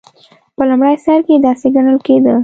په لومړي سر کې داسې ګڼل کېده.